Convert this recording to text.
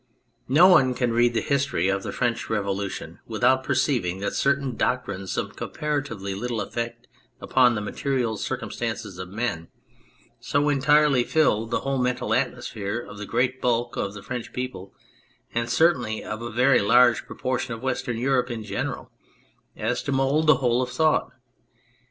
No one can read the history of the French Revolution without perceiving that certain doctrines of comparatively little effect upon the material cir cumstance of men so entirely filled the whole mental 72 On Believing atmosphere of the great bulk of the French people, and certainly of a very large proportion of Western Europe in general, as to mould the whole of thought.